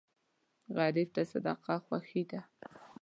غریب ته صدقه خوښي ده